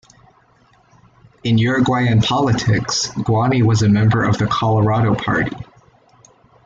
In Uruguayan politics, Guani was a member of the Colorado Party.